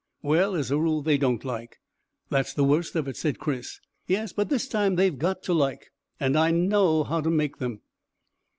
"Well, as a rule they don't like." "That's the worst of it," said Chris. "Yes, but this time they've got to like; and I know how to make them."